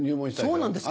そうなんですか？